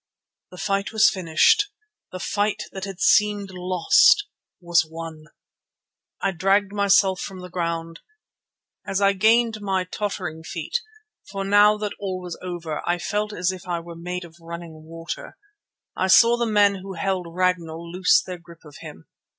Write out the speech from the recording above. The fight was finished! The fight that had seemed lost was won! I dragged myself from the ground. As I gained my tottering feet, for now that all was over I felt as if I were made of running water, I saw the men who held Ragnall loose their grip of him.